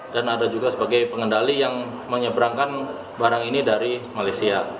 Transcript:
dan ada juga sebagai pengendali yang menyeberangkan barang ini dari malaysia